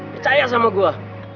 percaya sama gue